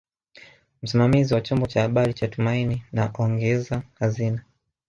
Msimamizi wa chombo cha habari cha Tumaini na ongeza hazina